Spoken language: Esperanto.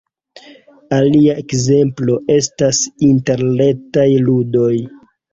Alia ekzemplo estas interretaj ludoj.